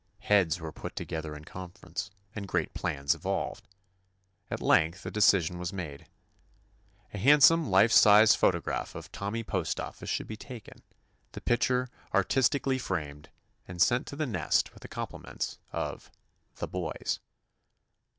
Heads were put together in conference, and great plans evolved. At length a decision was made: a handsome life size photograph of Tommy Postoffice should be taken, the picture artistic ally framed, and sent to the nest with the compliments of "the boys."